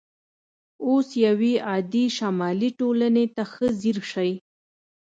اوس یوې عادي شمالي ټولنې ته ښه ځیر شئ